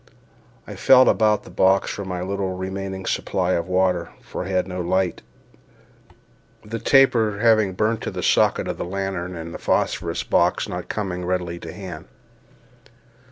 I felt about the box for my little remaining supply of water, for I had no light, the taper having burnt to the socket of the lantern, and the phosphorus box not coming readily to hand.